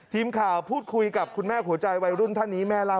ทีมข่าวพูดคุยกับคุณแม่หัวใจวัยรุ่นท่านนี้แม่เล่า